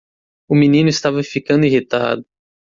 O menino estava ficando irritado.